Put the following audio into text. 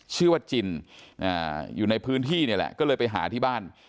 ชื่อว่าจินอยู่ในพื้นที่นี่แหละก็เลยไปหาที่บ้าน